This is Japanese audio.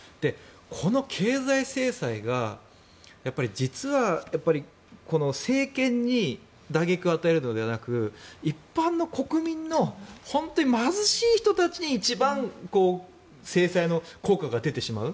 この経済制裁がやはり実はこの政権に打撃を与えるのではなく一般の国民の本当に貧しい人たちに一番制裁の効果が出てしまう。